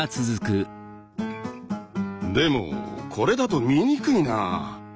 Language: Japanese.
でもこれだと見にくいな。